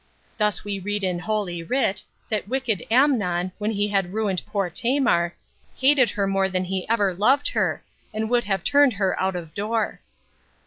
Thus we read in Holy Writ, that wicked Amnon, when he had ruined poor Tamar, hated her more than he ever loved her, and would have turned her out of door.